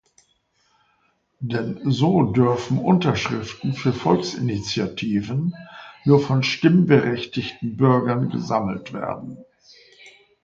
Denn so dürfen Unterschriften für Volksinitiativen nur von stimmberechtigten Bürgern gesammelt werden.